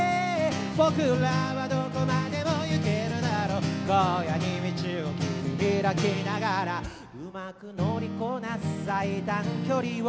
「ぼくらはどこまでもいけるだろう」「荒野に道を切り拓きながら」「上手く乗りこなす最短距離を」